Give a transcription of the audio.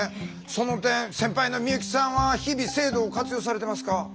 その点先輩の美由紀さんは日々制度を活用されてますか？